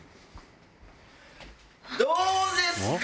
どうですか？